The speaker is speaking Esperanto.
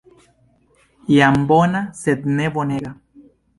Jam bona sed ne bonega.